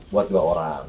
buat dua orang